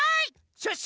シュッシュ！